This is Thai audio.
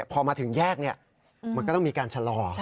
พอมาถึงแยกมันก็ต้องมีการชะลอ